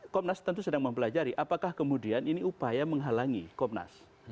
komnas tentu sedang mempelajari apakah kemudian ini upaya menghalangi komnas